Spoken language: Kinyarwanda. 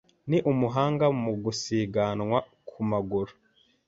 Ni umuhanga mu gusiganwa ku maguru.